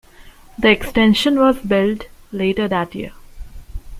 The extension was built later that year.